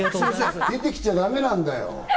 出てきちゃだめなんだよ。